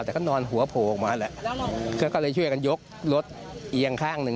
แต่ก็นอนหัวโผล่ออกมาแล้วก็เลยช่วยกันยกรถเอียงข้างหนึ่ง